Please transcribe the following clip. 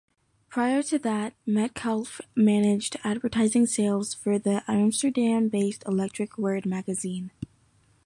Prior to that, Metcalfe managed advertising sales for the Amsterdam-based "Electric Word" magazine.